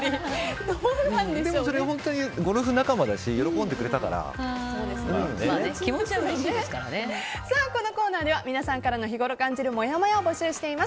本当にゴルフ仲間だしこのコーナーでは皆さんからの日ごろ感じるもやもやを募集しています。